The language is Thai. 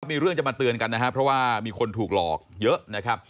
มีเรื่องจะมาเตือนกันนะครับเพราะว่ามีคนถูกหลอกเยอะนะครับ